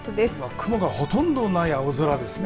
雲がほとんどない青空ですね。